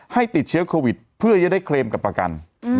ติดเชื้อโควิดเพื่อจะได้เคลมกับประกัน